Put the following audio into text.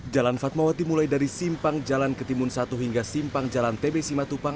jalan fatmawati mulai dari simpang jalan ketimun satu hingga simpang jalan tb simatupang